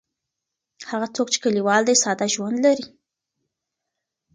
هغه څوک چې کلیوال دی ساده ژوند لري.